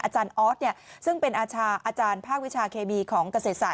อาจารย์ออสซึ่งเป็นอาจารย์ภาควิชาเคมีของเกษตรศาส